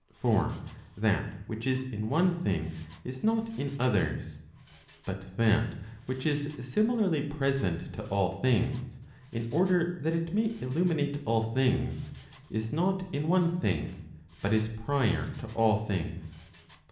For that which is in one thing is not in others. But that which is similarly present to ay things, in order that it may illuminate all things, is not in one thing, but is prior to all things.